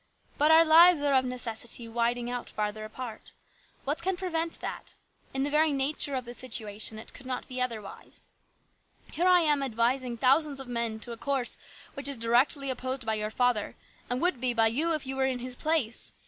" But our lives are of necessity widening out farther apart. What can pre vent that ? In the very nature of the situation it could not be otherwise. Here I am advising thousands of men to a course which is directly opposed by your father, and would be by you if you THE GREAT STRIKE. 31 were in his place.